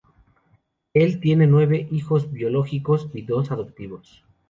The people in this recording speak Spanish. Él tiene nueve hijos biológicos y dos hijos adoptivos.